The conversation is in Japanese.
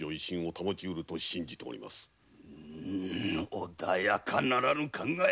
穏やかならぬ考え！